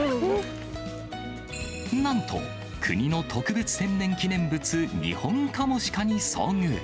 なんと、国の特別天然記念物、ニホンカモシカに遭遇。